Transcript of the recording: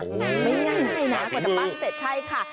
ง่ายนะกว่าจะปั้นเสร็จใช่ค่ะ